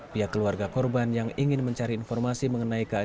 pihak keluarga korban yang ingin mencari informasi mengenai keadaan